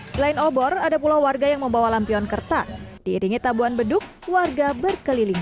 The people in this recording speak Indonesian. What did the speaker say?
selain obor ada pula warga yang membawa lampion kertas diiringi tabuan beduk warga berkeliling